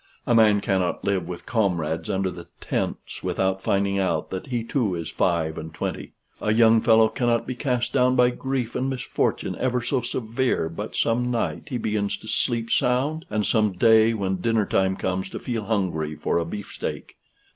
A man cannot live with comrades under the tents without finding out that he too is five and twenty. A young fellow cannot be cast down by grief and misfortune ever so severe but some night he begins to sleep sound, and some day when dinner time comes to feel hungry for a beefsteak.